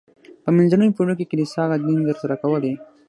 په منځنیو پیړیو کې کلیسا هغه دندې تر سره کولې.